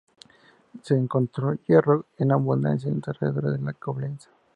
Se encontró hierro en abundancia en los alrededores de Coblenza.